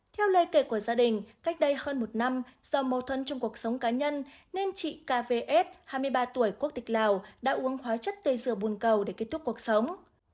theo lời kể của gia đình cách đây hơn một năm do mâu thuẫn trong cuộc sống cá nhân nên chị kv s hai mươi ba tuổi quốc tịch lào đã uống hóa chất tê rửa bùn cầu để kết thúc cuộc sống